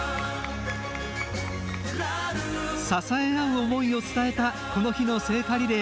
支え合う思いを伝えたこの日の聖火リレー。